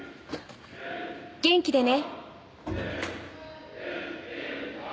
元気でね。